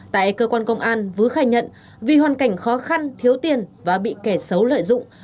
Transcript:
tại cơ quan công an vứ khai nhận vì hoàn cảnh khó khăn thiếu tiền và bị kẻ xấu lợi dụng